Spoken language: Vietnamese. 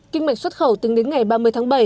kinh mệnh xuất khẩu tính đến ngày ba mươi tháng bảy